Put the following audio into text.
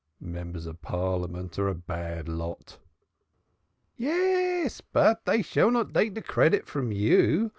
Members of Parliament are a bad lot!" "Yes but dey shall not take de credit from you.